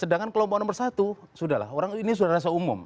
sedangkan kelompok nomor satu sudah lah orang ini sudah rasa umum